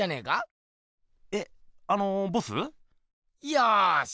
よし！